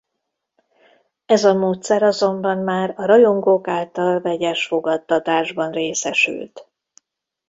Ez a módszer azonban már a rajongók által vegyes fogadtatásban részesült.